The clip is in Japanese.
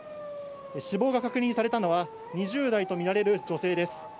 死亡が確認されたのは、２０代と見られる女性です。